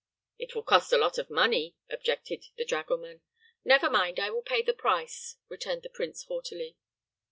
"It will cost a lot of money," objected the dragoman. "Never mind; I will pay the price," returned the prince, haughtily.